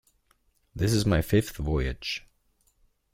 This is my fifth voyage.